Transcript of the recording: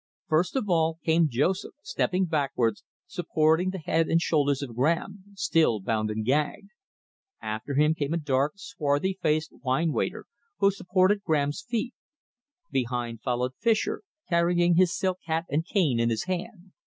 First of all came Joseph, stepping backwards, supporting the head and shoulders of Graham, still bound and gagged. After him came a dark, swarthy faced wine waiter, who supported Graham's feet. Behind followed Fischer, carrying his silk hat and cane in his hand.